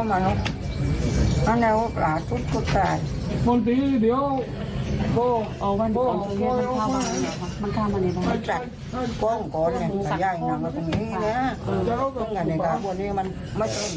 สักคมสักคม